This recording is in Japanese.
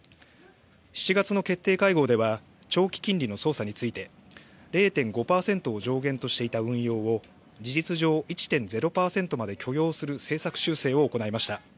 ７月の決定会合では長期金利の操作について０．５％を上限としていた運用を事実上１．０％まで許容する政策修正を行いました。